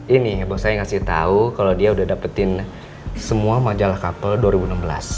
ini bos saya ngasih tau kalo dia udah dapetin semua majalah kapel tahun dua ribu enam belas